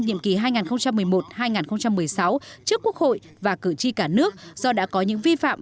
nhiệm kỳ hai nghìn một mươi một hai nghìn một mươi sáu trước quốc hội và cử tri cả nước do đã có những vi phạm